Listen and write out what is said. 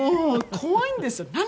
もう怖いんですよ。